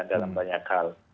dalam banyak hal